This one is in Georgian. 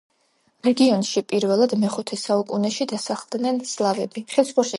რეგიონში პირველად მეხუთე საუკუნეში დასახლდნენ სლავები.